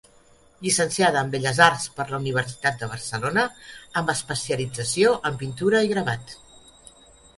Llicenciada en Belles Arts per la Universitat de Barcelona amb especialització en pintura i gravat.